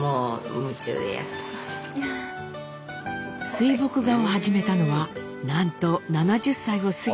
水墨画を始めたのはなんと７０歳を過ぎてから。